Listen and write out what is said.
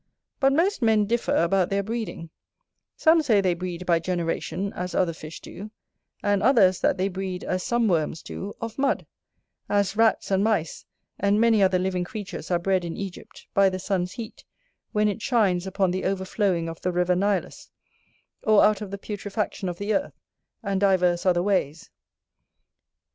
But most men differ about their breeding: some say they breed by generation, as other fish do; and others, that they breed, as some worms do, of mud; as rats and mice, and many other living creatures, are bred in Egypt, by the sun's heat when it shines upon the overflowing of the river Nilus; or out of the putrefaction of the earth, and divers other ways.